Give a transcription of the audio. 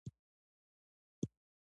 د چاه اب د سرو زرو کان دی